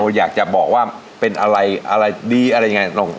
อยากจะบอกว่าเป็นอะไรอะไรดีอะไรยังไง